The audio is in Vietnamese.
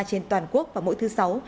trên toàn quốc vào mỗi thứ sáu